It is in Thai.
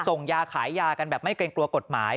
ส่งยาขายยากันแบบไม่เกรงกลัวกฎหมาย